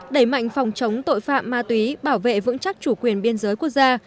đẩy mạnh phòng chống tội phạm ma túy bảo vệ vững chắc chủ quyền biên giới quốc gia